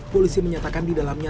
polisi menyatakan di dalamnya